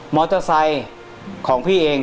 มอเตอร์ไซค์ของพี่เอง